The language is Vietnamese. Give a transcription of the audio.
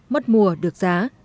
mất mùa được giá